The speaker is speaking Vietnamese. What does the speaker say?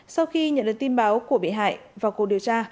sau khi nhận được tin báo của bị hại vào cuộc điều tra